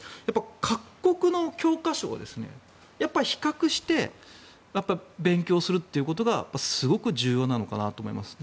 各国の教科書を比較して勉強するということがすごく重要なのかなと思います。